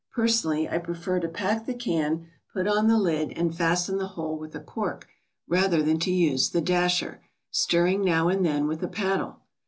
Personally, I prefer to pack the can, put on the lid and fasten the hole with a cork rather than to use the dasher, stirring now and then with a paddle.